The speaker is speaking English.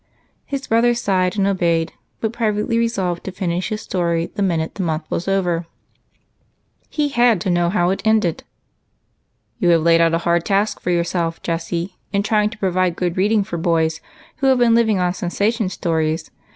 His brother sighed, and obeyed, but privately resolved to finish his story the minute the month was over. "You have laid out a hard task for yourself, Jessie, in trying to provide good reading for boys who have been living on sensation stories.